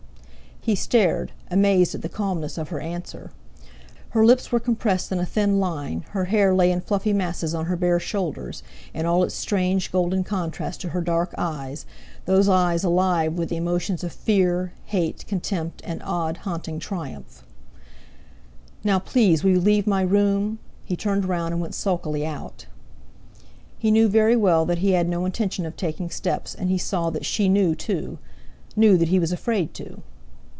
He stared, amazed at the calmness of her answer. Her lips were compressed in a thin line; her hair lay in fluffy masses on her bare shoulders, in all its strange golden contrast to her dark eyes—those eyes alive with the emotions of fear, hate, contempt, and odd, haunting triumph. "Now, please, will you leave my room?" He turned round, and went sulkily out. He knew very well that he had no intention of taking steps, and he saw that she knew too—knew that he was afraid to.